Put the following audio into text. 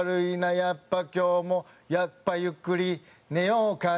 「やっぱ今日もやっぱゆっくり寝ようかな」